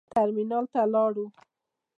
ترمینال ته ولاړو.